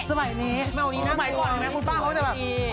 สมัยนี้สมัยที่ก่อนคุณป้าเขาจะคอนเซ็นเทตกายต้นเต้นจริงค่ะ